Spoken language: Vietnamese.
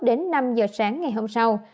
đến năm giờ sáng ngày hôm sau